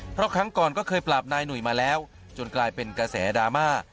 เพราะครั้งก่อนก็เคยปราบนายหนุ่ยมาแล้วจนกลายเป็นกระแสดราม่า